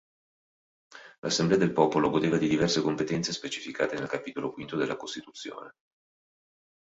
L'Assemblea del Popolo godeva di diverse competenze specificate nel Capitolo Quinto della Costituzione.